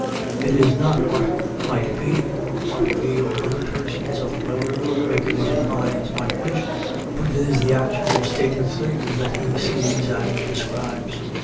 It is not what might be, nor what we or other persons of well regulated minds might wish, but it is the actual state of things that he sees and describes.